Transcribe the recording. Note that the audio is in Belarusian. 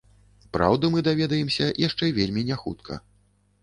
Праўду мы даведаемся яшчэ вельмі няхутка.